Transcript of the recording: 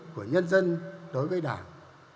của nhân dân đối với đảng